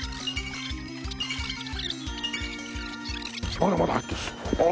まだまだ入ってる。